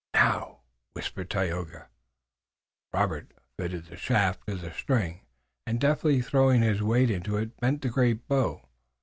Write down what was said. "Now!" whispered Tayoga. Robert fitted the shaft to the string, and deftly throwing his weight into it bent the great bow.